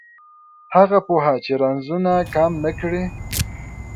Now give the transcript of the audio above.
هغه پوهه چې رنځونه کم نه کړي